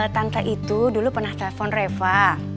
tante itu dulu pernah telpon reva